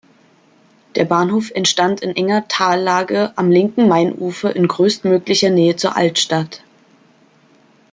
Der Bahnhof entstand in enger Tallage am linken Mainufer in größtmöglicher Nähe zur Altstadt.